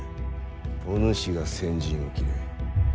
お主が先陣を切れ。